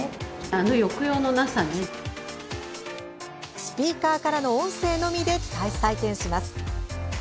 スピーカーからの音声のみで採点します。